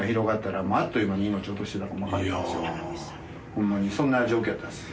ホンマにそんな状況やったんです。